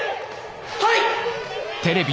はい！